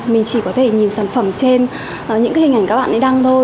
mình chỉ có thể nhìn sản phẩm trên những hình ảnh các bạn ấy đăng thôi